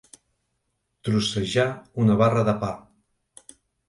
Trossejar una barra de pa.